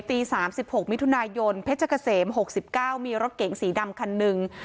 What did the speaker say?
ตี๓๖มิถุนายนเพชรเกษม๖๙มีรถเก๋งสีดำคันหนึ่ง